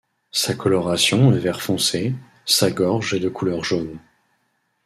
Sa coloration est vert foncé, sa gorge est de couleur jaune.